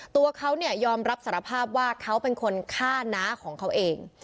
ตัวเขาเนี่ยยอมรับสารภาพว่าเขาเป็นคนฆ่าน้าของเขาเอง